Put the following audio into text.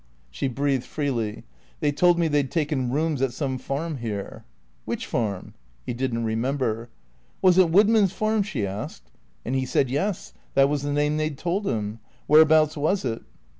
(She breathed freely.) "They told me they'd taken rooms at some farm here." "Which farm?" He didn't remember. "Was it Woodman's Farm?" she asked. And he said, Yes, that was the name they'd told him. Whereabouts was it?